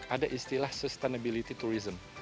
ada istilah sustainability tourism